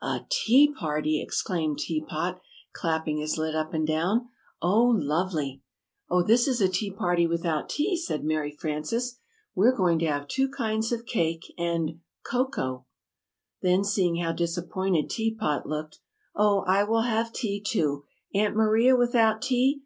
"A Tea Party!" exclaimed Tea Pot, clapping his lid up and down. "Oh, lovely!" [Illustration: "A Tea Party!"] "Oh, this is a Tea Party without tea," said Mary Frances. "We're going to have two kinds of cake, and cocoa!" Then, seeing how disappointed Tea Pot looked: "Oh, I will have tea, too. Aunt Maria without tea!